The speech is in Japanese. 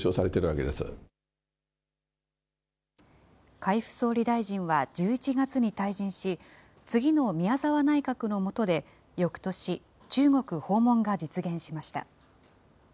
海部総理大臣は１１月に退陣し、次の宮沢内閣の下で、よくとし、中国訪問が実現しました。